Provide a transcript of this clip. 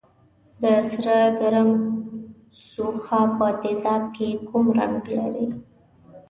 د سره کرم ځوښا په تیزاب کې کوم رنګ لري؟